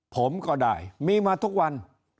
ผมก็ได้มีมาทุกวัน